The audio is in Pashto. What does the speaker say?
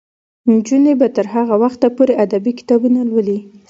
نجونې به تر هغه وخته پورې ادبي کتابونه لولي.